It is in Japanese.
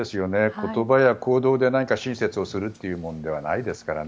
言葉や行動で何か親切をするというものではないですから。